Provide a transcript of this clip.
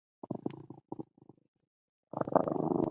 长梗紫麻为荨麻科紫麻属下的一个种。